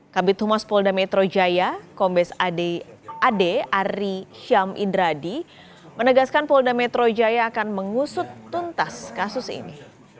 kabit humas polda metro jaya kombes ade ari syam indradi menegaskan polda metro jaya akan mengusut tuntas kasus ini